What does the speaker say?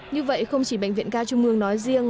như vậy không chỉ bệnh viện ca trung ương nói riêng